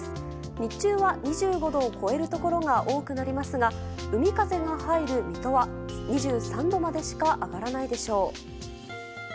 日中は２５度を超えるところが多くなりますが海風が入る水戸は２３度までしか上がらないでしょう。